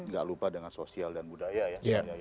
gak lupa dengan sosial dan budaya ya